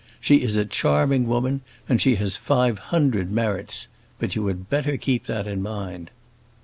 She is a charming woman, and she has five hundred merits; but you had better keep that in mind."